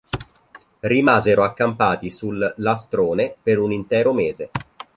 Rimasero accampati sul lastrone per un intero mese.